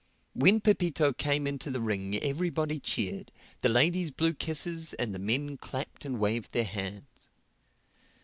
When Pepito came into the ring everybody cheered, the ladies blew kisses and the men clapped and waved their hats.